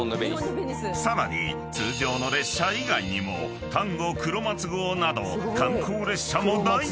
［さらに通常の列車以外にも丹後くろまつ号など観光列車も大人気！］